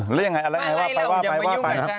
อะไรอย่างไรว่าไปว่าไปว่าไป